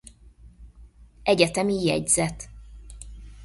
Egyetemi jegyzet.